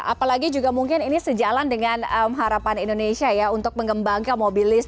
apalagi juga mungkin ini sejalan dengan harapan indonesia ya untuk mengembangkan mobil listrik